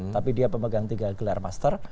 tapi dia pemegang tiga gelar master